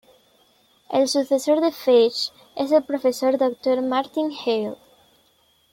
El sucesor de "Feige" es el profesor Dr. Martin Heil.